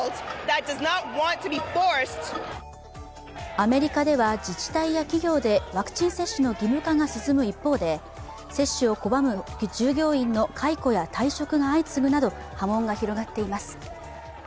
アメリカでは自治体や企業でワクチン接種の義務化が進む一方で、接種を拒む従業員の解雇や退職が相次ぐなど波紋が広がっています。